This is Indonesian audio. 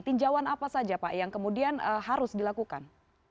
tinjauan apa saja pak yang kemudian harus dilakukan